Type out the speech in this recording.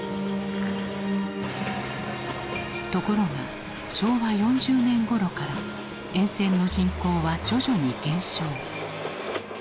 ところが昭和４０年ごろから沿線の人口は徐々に減少。